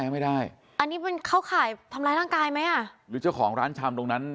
ไม่ได้อันนี้มันเข้าข่ายทำร้ายร่างกายไหมอ่ะหรือเจ้าของร้านชำตรงนั้น